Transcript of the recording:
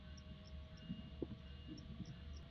少花虾脊兰为兰科虾脊兰属下的一个种。